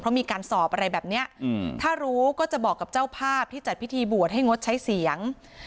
เพราะมีการสอบอะไรแบบนี้ถ้ารู้ก็จะบอกกับเจ้าภาพที่จัดพิธีบวชให้งดใช้เสียง